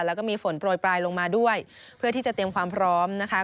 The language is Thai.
แล้วก็มีฝนโปรยปลายลงมาด้วยเพื่อที่จะเตรียมความพร้อมนะคะ